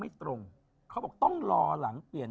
โหลดแล้วคุณราคาโหลดแล้วยัง